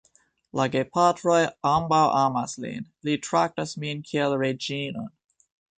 La gepatroj ambaŭ amas lin. Li traktas min kiel reĝinon.